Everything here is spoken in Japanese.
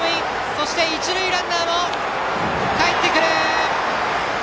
そして一塁ランナーもかえってくる！